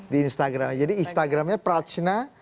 di instagram jadi instagram nya prasna